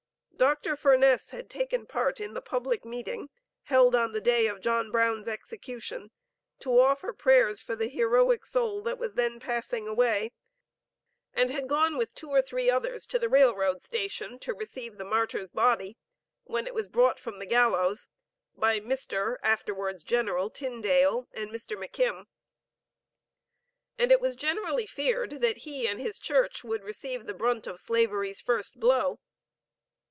Dr. Furness had taken part in the public meeting held on the day of John Brown's execution, to offer prayers for the heroic soul that was then passing away, and had gone with two or three others, to the rail road station, to receive the martyr's body, when it was brought from the gallows by Mr. (afterwards General) Tyndale and Mr. McKim, and it was generally feared that he and his church would receive the brunt of Slavery's first blow.